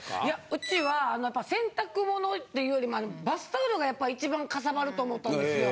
うちはやっぱり洗濯ものというよりもバスタオルがやっぱり一番かさばると思ったんですよ。